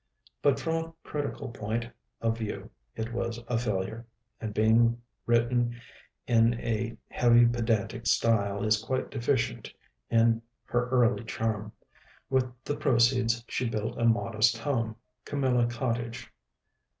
But from a critical point of view it was a failure; and being written in a heavy pedantic style, is quite deficient in her early charm. With the proceeds she built a modest home, Camilla Cottage.